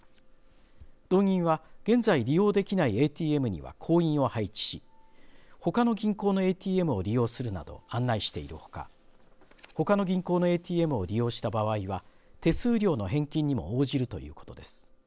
道銀は現在利用できないＡＴＭには行員を配置しほかの銀行のＡＴＭを利用するなど案内しているほかほかの銀行のＡＴＭを利用した場合は手数料の返金にも応じるということです。